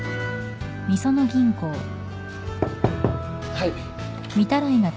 ・はい。